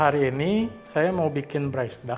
hari ini saya mau bikin braised duck